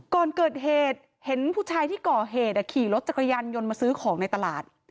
ก่อนเกิดเหตุเห็นผู้ชายที่ก่อเหตุขี่รถจักรยานยนต์มาซื้อของในตลาด